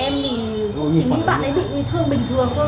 em thì chính vì bạn ấy bị thương bình thường thôi